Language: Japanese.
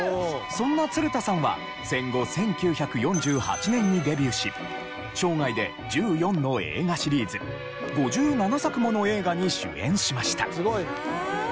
そんな鶴田さんは戦後１９４８年にデビューし生涯で１４の映画シリーズ５７作もの映画に主演しました。